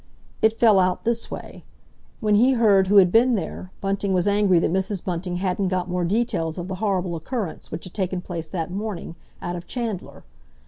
It fell out this way. When he heard who had been there, Bunting was angry that Mrs. Bunting hadn't got more details of the horrible occurrence which had taken place that morning, out of Chandler.